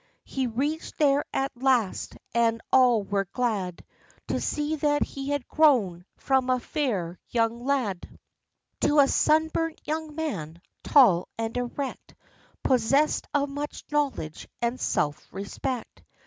He reached there at last, and all were glad, To see that he had grown, from a fair young lad, To a sunburnt young man, tall and erect, Possessed of much knowledge and self respect.